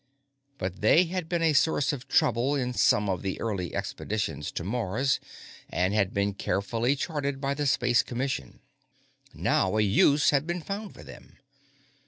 But they had been a source of trouble in some of the early expeditions to Mars, and had been carefully charted by the Space Commission. Now a use had been found for them.